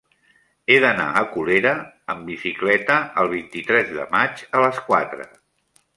He d'anar a Colera amb bicicleta el vint-i-tres de maig a les quatre.